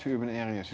masalah yang terjadi